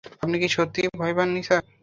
আপনি কি সত্যিই ভয় পান নি, স্যার?